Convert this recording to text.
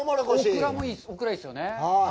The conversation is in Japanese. オクラもいいですよね。